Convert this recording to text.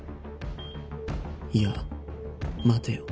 いや待てよ